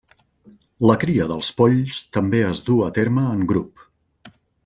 La cria dels polls també es duu a terme en grup.